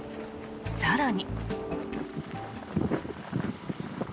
更に。